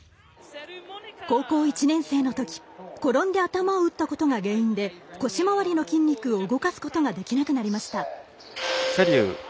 高校１年生のとき転んで頭を打ったことが原因で腰回りの筋肉を動かすことができなくなりました。